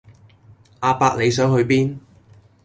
阿伯你想去邊